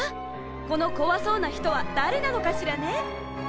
このこわそうなひとはだれなのかしらね？